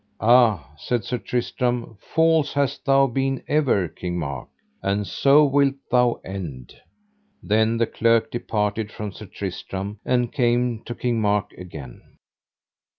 Ah, said Sir Tristram, false hast thou been ever, King Mark, and so wilt thou end. Then the clerk departed from Sir Tristram and came to King Mark again.